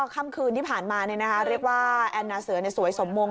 ค่ำคืนที่ผ่านมาเรียกว่าแอนนาเสือสวยสมมง